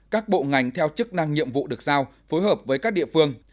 một mươi một các bộ ngành theo chức năng nhiệm vụ được sao phối hợp với các địa phương